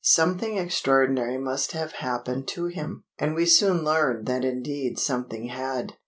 Something extraordinary must have happened to him, and we soon learned that indeed something had.